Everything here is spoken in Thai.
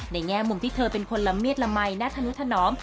แง่มุมที่เธอเป็นคนละเมียดละมัยณธนุถนอม